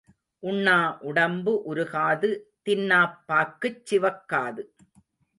உண்ணா உடம்பு உருகாது தின்னாப் பாக்குச் சிவக்காது.